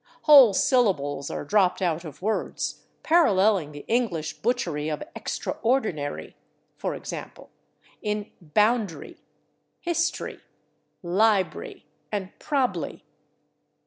Whole syllables are dropped out of words, paralleling the English butchery of /extraordinary/; for example, in /bound'ry/, /hist'ry/, /lib'ry/ and /prob'ly